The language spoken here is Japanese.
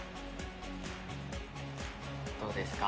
どうですか？